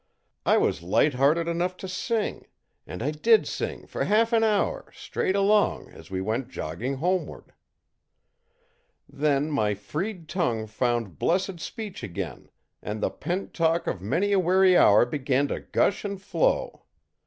I was light hearted enough to sing; and I did sing for half an hour, straight along, as we went jogging homeward. Then my freed tongue found blessed speech again, and the pent talk of many a weary hour began to gush and flow.